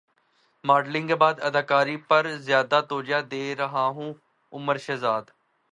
modelling کے بعد اداکاری پر زیادہ توجہ دے رہا ہوں عمر شہزاد